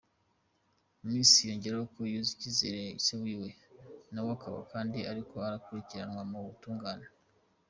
Messi yongeyeko yuko yizera se wiwe, nawe akaba kandi ariko arakurikiranwa mu butungane.